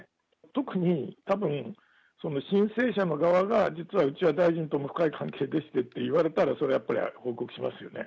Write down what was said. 特に、たぶん申請者の側が、実はうちは大臣とも深い関係でしてって言われたら、それはやっぱり報告しますよね。